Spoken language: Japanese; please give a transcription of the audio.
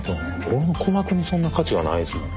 俺の鼓膜にそんな価値がないですもん。